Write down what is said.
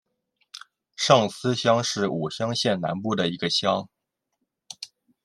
上司乡是武乡县南部的一个乡。